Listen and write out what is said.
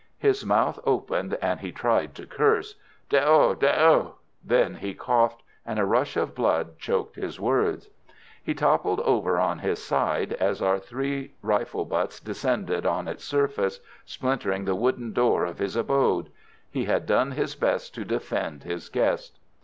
His mouth opened, and he tried to curse: "De oh!... de oh!" Then he coughed, and a rush of blood choked his words. He toppled over on his side as our three rifle butts, descending on its surface, splintered the wooden door of his abode. He had done his best to defend his guest.